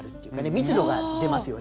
密度がでますよね。